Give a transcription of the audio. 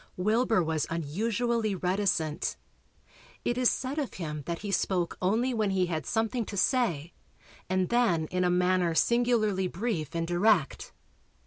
Wilbur was unusually reticent. It is said of him that he spoke only when he had something to say and then in a manner singularly brief and direct.